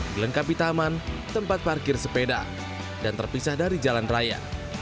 dilengkapi taman tempat parkir sepeda dan terpisah dari jalan raya